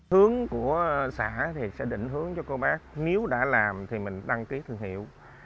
hướng của xã thì sẽ định hướng cho cô bác nếu đã làm thì mình đăng ký thương hiệu